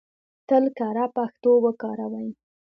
تل کره پښتو وکاروئ!